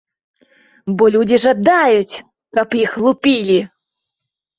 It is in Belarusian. Бо людзі жадаюць, каб іх лупілі.